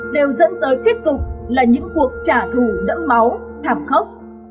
đều dẫn tới kết cục là những cuộc trả thù đẫm máu thảm khốc